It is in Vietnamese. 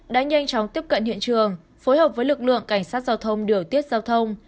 đã nhanh chóng tiếp cận hiện trường phối hợp với lực lượng cảnh sát giao thông điều tiết giao thông